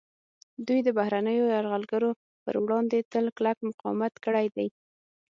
دوی د بهرنیو یرغلګرو پر وړاندې تل کلک مقاومت کړی دی